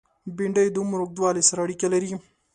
بېنډۍ د عمر اوږدوالی سره اړیکه لري